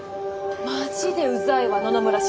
マジでうざいわ野々村静。